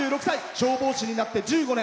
消防士になって１５年。